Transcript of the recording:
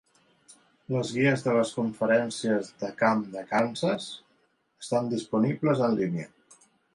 Les guies de les Conferències de camp de Kansas estan disponibles en línia.